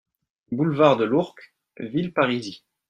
Boulevard de l'Ourcq, Villeparisis